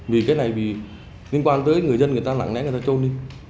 vì cái này liên quan tới người dân người ta nặng nén người ta trôn đi